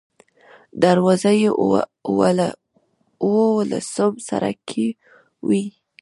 دروازه یې اوولسم سړک کې وه.